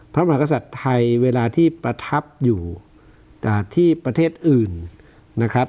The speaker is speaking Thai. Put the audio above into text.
พระมหากษัตริย์ไทยเวลาที่ประทับอยู่ที่ประเทศอื่นนะครับ